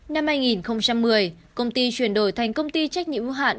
năm hai nghìn một mươi công ty chuyển đổi thành công ty trách nhiệm hữu hạn